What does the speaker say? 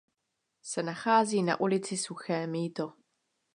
Se nachází na ulici Suché Mýto.